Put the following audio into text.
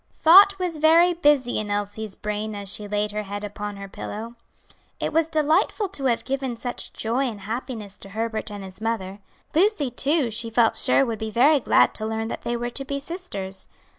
Thought was very busy in Elsie's brain as she laid her head upon her pillow. It was delightful to have given such joy and happiness to Herbert and his mother. Lucy, too, she felt sure would be very glad to learn that they were to be sisters.